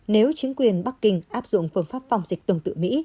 nếu chính quyền bắc kinh áp dụng phương pháp phòng dịch tương tự mỹ